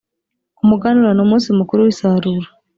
umuganura ni umunsi mukuru w’isarura